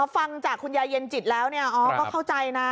ฟังจากคุณยายเย็นจิตแล้วเนี่ยอ๋อก็เข้าใจนะ